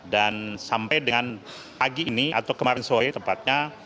dan sampai dengan pagi ini atau kemarin sore tepatnya